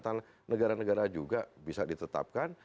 tata negara negara juga bisa ditetapkan